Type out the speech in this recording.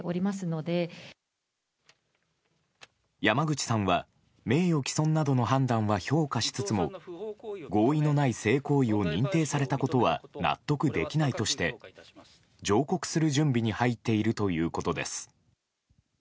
山口さんは名誉毀損などの判断は評価しつつも合意のない性行為を認定されたことは納得できないとして上告する準備に入っているということです。